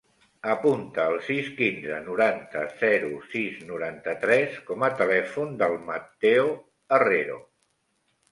Apunta el sis, quinze, noranta, zero, sis, noranta-tres com a telèfon del Matteo Herrero.